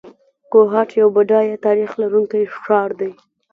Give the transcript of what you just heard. کوهاټ یو بډایه تاریخ لرونکی ښار دی.